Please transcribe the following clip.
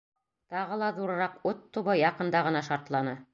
Тағы ла ҙурыраҡ ут тубы яҡында ғына шартланы.